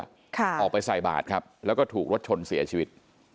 ค่ะออกไปใส่บาทครับแล้วก็ถูกรถชนเสียชีวิต